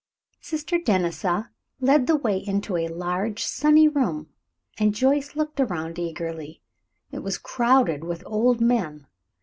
Sister Denisa led the way into a large, sunny room, and Joyce looked around eagerly. It was crowded with old men.